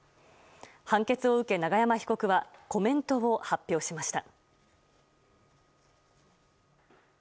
判決を受け永山被告はコメントを発表しました。